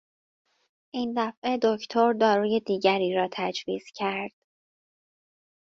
این دفعه دکتر داروی دیگری را تجویز کرد.